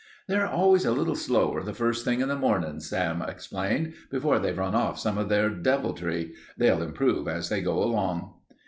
"They're always a little slower the first thing in the mornin'," Sam explained, "before they've run off some of their deviltry. They'll improve as they go along."